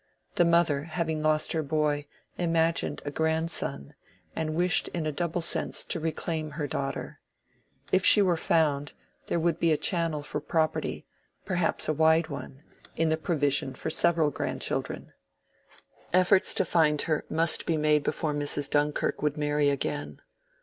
The mother, having lost her boy, imagined a grandson, and wished in a double sense to reclaim her daughter. If she were found, there would be a channel for property—perhaps a wide one—in the provision for several grandchildren. Efforts to find her must be made before Mrs. Dunkirk would marry again.